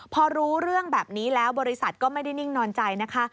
พอรู้เรื่องแบบนี้แล้วบริษัทก็ไม่ได้นิ่งนอนใจนะคะ